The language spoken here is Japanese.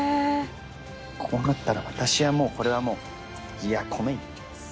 こうなったら私はもうこれはもう米行きます。